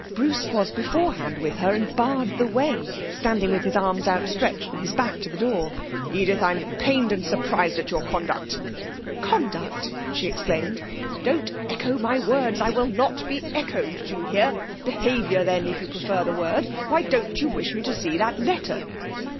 Bruce was beforehand with her and barred the way, standing with his arms outstretched and his back to the door. 'Edith, I'm pained and surprised at your conduct!' 'Conduct!' she exclaimed. 'Don't echo my words! I will not be echoed, do you hear?... Behaviour, then, if you prefer the word.... Why don't you wish me to see that letter?'